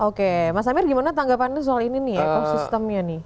oke mas amir gimana tanggapannya soal ini nih ekosistemnya nih